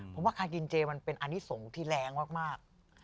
ผมว่าการกินเจมันเป็นอันนี้ส่งที่แรงมาก